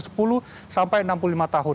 sepuluh sampai enam puluh lima tahun